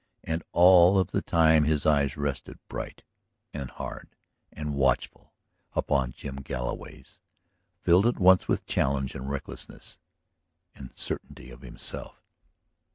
And all of the time his eyes rested bright and hard and watchful upon Jim Galloway's, filled at once with challenge and recklessness ... and certainty of himself.